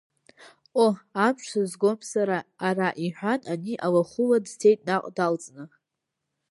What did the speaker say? Ҟоҳ, амш сызгом сара ара, — иҳәан, ани алахәыла дцеит наҟ далҵны.